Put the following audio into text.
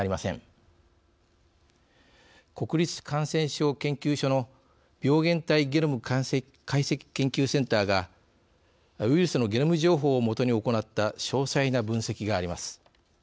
国立感染症研究所の病原体ゲノム解析研究センターがウイルスのゲノム情報を基に行った詳細な分析があります。